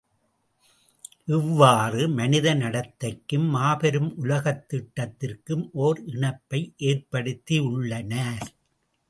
இவ்வாறு, மனித நடத்தைக்கும், மாபெரும் உலகத் திட்டத்திற்கும் ஓர் இணைப்பை ஏற்படுத்தியுள்னார்.